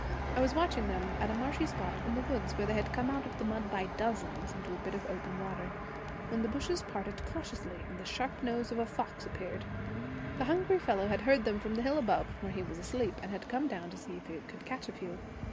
I was watching them at a marshy spot in the woods, where they had come out of the mud by dozens into a bit of open water, when the bushes parted cautiously and the sharp nose of a fox appeared. The hungry fellow had heard them from the hill above, where he was asleep, and had come down to see if he could catch a few.